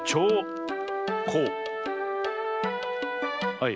はい。